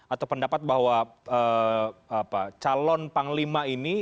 atau pendapat bahwa calon panglima ini